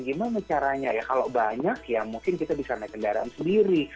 gimana caranya ya kalau banyak ya mungkin kita bisa naik kendaraan sendiri